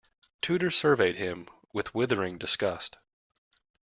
Tudor surveyed him with withering disgust.